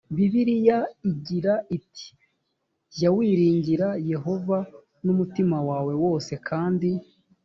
bibiliya igira iti jya wiringira yehova n umutima wawe wose kandi